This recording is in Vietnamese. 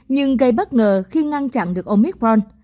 nhưng gây bất ngờ khi ngăn chặn được omicron